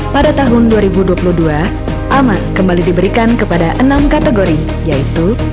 pada tahun dua ribu dua puluh dua aman kembali diberikan kepada enam kategori yaitu